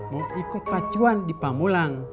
mau ikut pacuan di pamulang